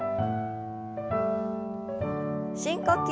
深呼吸。